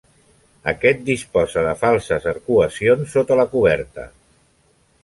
Aquest disposa de falses arcuacions sota la coberta.